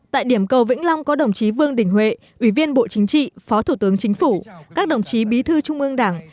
tại điểm cầu vĩnh long có đồng chí vương đình huệ ủy viên bộ chính trị phó thủ tướng chính phủ các đồng chí bí thư trung ương đảng